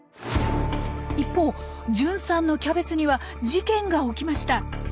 一方純さんのキャベツには事件が起きました。